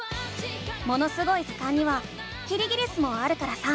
「ものすごい図鑑」にはキリギリスもあるからさ